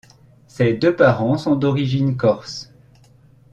Ses deux parents sont d'origine Corse.